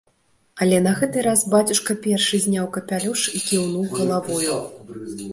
Але на гэты раз бацюшка першы зняў капялюш і кіўнуў галавою.